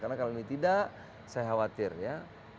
karena kalau ini tidak saya khawatir ya